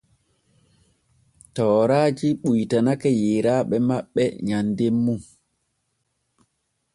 Tooraaji ɓuytanake yeeraaɓe maɓɓe nyanden mum.